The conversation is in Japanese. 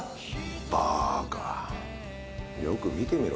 バーカよく見てみろ。